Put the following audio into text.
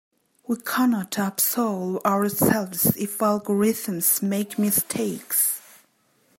We cannot absolve ourselves if algorithms make mistakes.